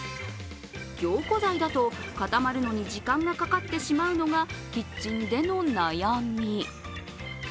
凝固剤だと固まるのに時間がかかってしまうのがキッチンでのお悩み。